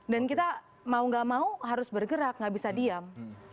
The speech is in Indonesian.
dan kita mau nggak mau harus bergerak nggak bisa diam